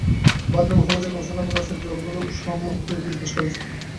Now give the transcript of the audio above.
ভারতে বহু বছরের গবেষণার পর রাজনৈতিক দলগুলো সহমত হয়ে বিল পাস করেছে।